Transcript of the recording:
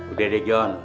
udah deh jon